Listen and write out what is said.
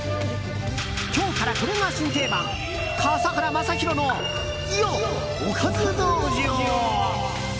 今日からこれが新定番笠原将弘のおかず道場。